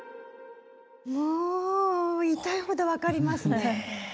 もう痛いほど分かりますね。